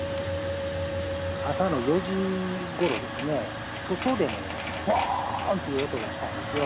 朝の４時ごろですね、外でね、ぼーんという音がしたんですよ。